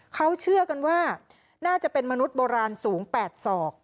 เขาเชื่อกันว่าน่าจะเป็นมนุษย์โบราณสูง๘ศอก